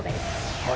はい。